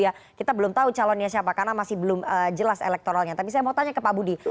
jadi saya mau tanya ke pak budi